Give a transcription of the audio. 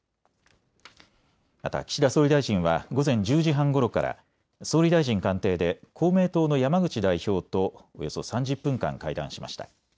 また岸田総理大臣は午前１０時半ごろから総理大臣官邸で公明党の山口代表とおよそ３０分間会談しました。